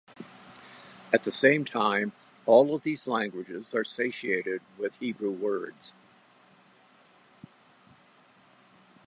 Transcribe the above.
At the same time all of these languages are satiated with Hebrew words.